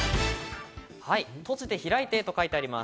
「閉じて開いて」と書いてあります。